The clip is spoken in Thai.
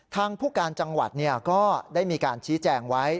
ทางผู้การจังหวัดก็ได้มีการชี้แจงไว้